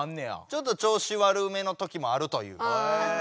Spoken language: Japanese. ちょっとちょうし悪めの時もあるという。